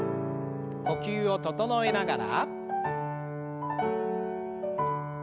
呼吸を整えながら。